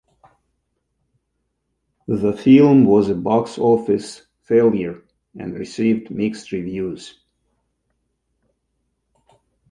The film was a box office failure and received mixed reviews.